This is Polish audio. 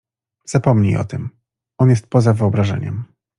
"Zapomnij o tym. On jest poza wyobrażeniem."